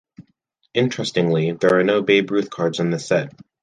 Interestingly, there are no Babe Ruth cards in the set.